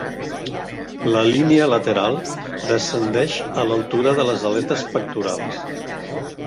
La línia lateral descendeix a l'altura de les aletes pectorals.